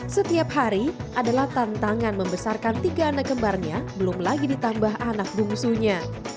setiap hari adalah tantangan membesarkan tiga anak kembarnya belum lagi ditambah anak bungsunya